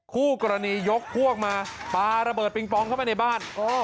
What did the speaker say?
คู่กรณียกพวกมาปลาระเบิดปิงปองเข้าไปในบ้าน